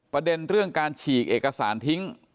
ประเด็นเรื่องการฉีกเอกสารทิ้ง